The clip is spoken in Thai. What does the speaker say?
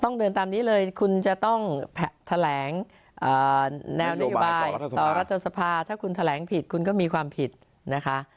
เดินตามนี้เลยคุณจะต้องแถลงแนวนโยบายต่อรัฐสภาถ้าคุณแถลงผิดคุณก็มีความผิดนะคะ